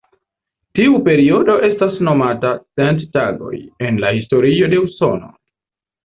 Tiu periodo estas nomata „cent tagoj” en la historio de Usono.